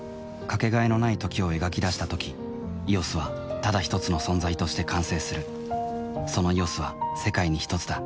かけがえのない「時」を描き出したとき「ＥＯＳ」はただひとつの存在として完成するその「ＥＯＳ」は世界にひとつだ